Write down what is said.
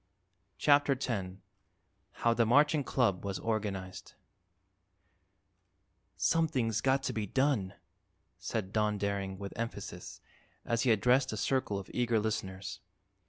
CHAPTER X HOW THE MARCHING CLUB WAS ORGANIZED "Something's got to be done," said Don Daring, with emphasis, as he addressed a circle of eager listeners.